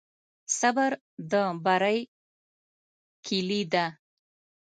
صبر د بری کلي ده.